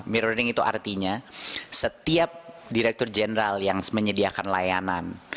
mirroring itu artinya setiap direktur jeneral yang menyediakan layanan